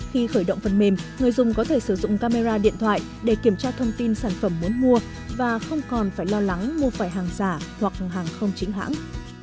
khi khởi động phần mềm người dùng có thể sử dụng camera điện thoại để kiểm tra thông tin sản phẩm muốn mua và không còn phải lo lắng mua phải hàng giả hoặc hàng không chính hãng